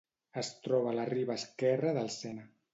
Es troba a la Riba Esquerra del Sena.